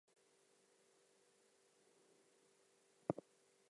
The Prize is expected to be awarded every five years.